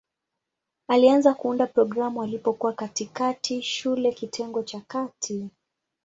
Alianza kuunda programu alipokuwa katikati shule ya kitengo cha kati.